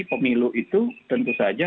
pemilu itu tentu saja